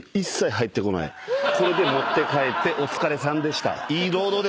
これで持って帰ってお疲れさんでした。